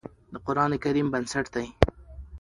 د قرآن کريم بنسټ دی